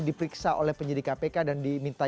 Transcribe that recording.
diperiksa oleh penyidik kpk dan diminta